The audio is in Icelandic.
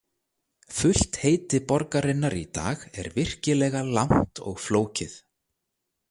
Fullt heiti borgarinnar í dag er virkilega langt og flókið.